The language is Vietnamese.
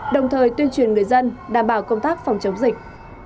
đồng thời tuyên truyền người dân đảm bảo công tác phòng chống dịch